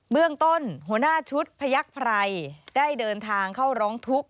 เรื่องต้นหัวหน้าชุดพยักษ์ไพรได้เดินทางเข้าร้องทุกข์